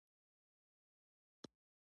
هغې د مسافرۍ او جګړې دردونه بیان کړل